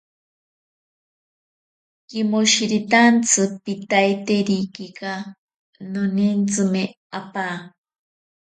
Kimoshiritantsi piitaiterikika, nonintsime apaa.